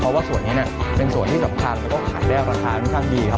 เพราะว่าส่วนนี้เป็นส่วนที่สำคัญแล้วก็ขายได้ราคาค่อนข้างดีครับ